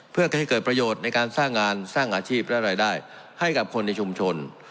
เพื่อให้เกิดประโยชน์ในการสร้างงานสร้างอาชีพและรายได้ให้กับคนในชุมชน